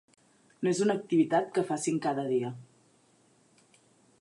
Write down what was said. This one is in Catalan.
No és una activitat que facin cada dia.